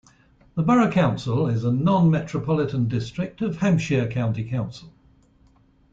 The borough council is a Non-metropolitan district of Hampshire County Council.